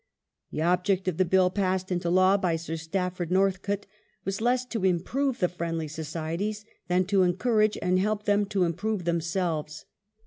The object of the Bill passed into law by Sir Stafford Northcote was less to improve the Friendly Societies than to encourage and help them to improve themselves.